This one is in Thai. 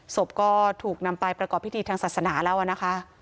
ศพก็ถูกนำไปประกอบพิธีทางศาสนาแล้วนะคะ